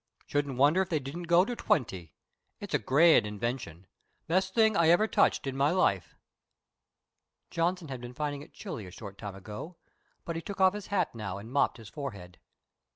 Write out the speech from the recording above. Shouldn't wonder if they didn't go to twenty. It's a grand invention. Best thing I ever touched in my life." Johnson had been finding it chilly a short time ago but he took off his hat now and mopped his forehead.